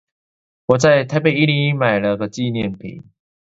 我在台北一零一買了紀念品